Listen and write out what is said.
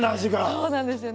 そうなんですよね。